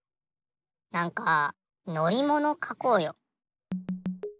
なんかのりものかこうよ。